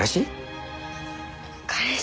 彼氏？